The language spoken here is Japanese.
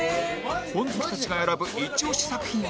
本好きたちが選ぶイチ押し作品は？